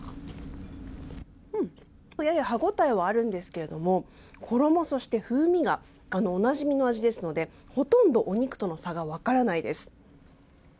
うん、やや歯応えはあるんですけれども、衣、そして風味がおなじみの味ですので、ほとんどお肉との差が分からないです。